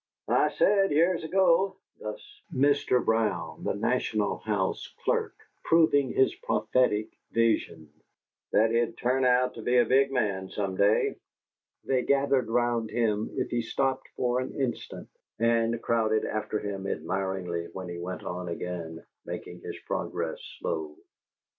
"I said, years ago" thus Mr. Brown, the "National House" clerk, proving his prophetic vision "that he'd turn out to be a big man some day." They gathered round him if he stopped for an instant, and crowded after him admiringly when he went on again, making his progress slow.